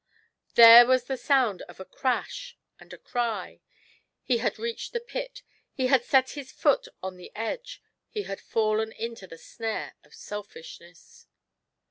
there was the sound of a crash and a cry ; he had reached the pit, he had set his foot on the edge, he had fallen into the snare of Selfishness.